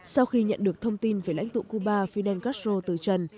sau khi nhận được thông tin về lãnh tụ cuba fidel castro từ trần